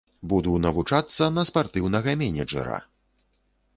Буду навучацца на спартыўнага менеджэра.